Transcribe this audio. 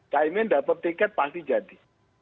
caimin dapat tiket pasti jadi